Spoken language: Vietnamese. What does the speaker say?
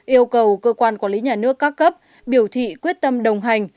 yêu cầu cơ quan quản lý nhà nước các cấp biểu thị quyết tâm đồng hành